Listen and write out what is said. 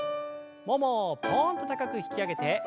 ももをぽんと高く引き上げて。